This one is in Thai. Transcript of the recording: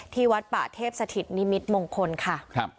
วัดป่าเทพสถิตนิมิตมงคลค่ะ